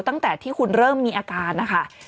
ตั้งแต่ที่คุณเริ่มมีอาการนะคะ